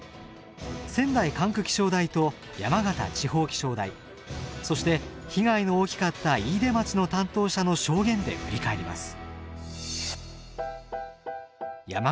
仙台管区気象台と山形地方気象台そして被害の大きかった飯豊町の担当者の証言で振り返ります。